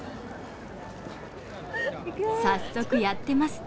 早速やってます。